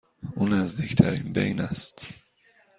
او نزدیک بین است.